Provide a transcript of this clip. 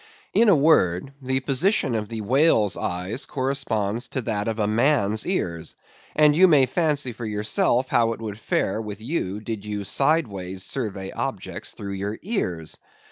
In a word, the position of the whale's eyes corresponds to that of a man's ears; and you may fancy, for yourself, how it would fare with you, did you sideways survey objects through your ears.